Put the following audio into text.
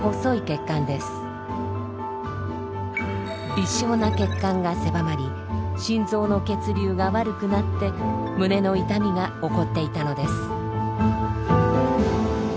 微小な血管が狭まり心臓の血流が悪くなって胸の痛みが起こっていたのです。